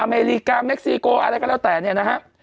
อเมริกาเม็กซีโกอะไรก็แล้วแต่เนี่ยนะฮะ